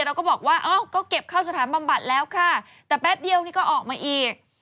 เราก็บอกว่าเอ้าก็เก็บเข้าสถานบำบัดแล้วค่ะแต่แป๊บเดียวนี่ก็ออกมาอีก